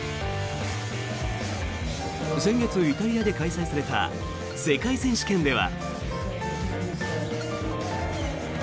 先月イタリアで開催された世界選手権では。